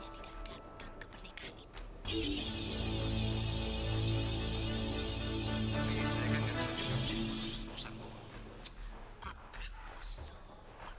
jadi si alprek menalin sampai sama produser